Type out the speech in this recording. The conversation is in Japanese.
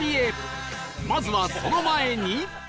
まずはその前に